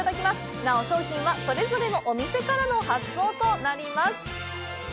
なお、商品はそれぞれのお店からの発送となります。